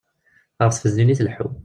Ɣef tfednin i tleḥḥu.